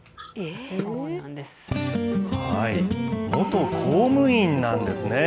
元公務員なんですね。